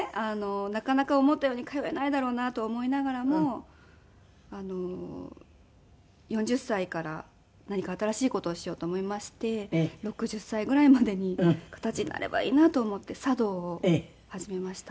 なかなか思ったように通えないだろうなとは思いながらも４０歳から何か新しい事をしようと思いまして６０歳ぐらいまでに形になればいいなと思って茶道を始めました。